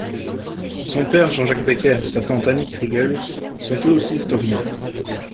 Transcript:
Son père Jean-Jacques Becker et sa tante Annie Kriegel sont eux aussi historiens.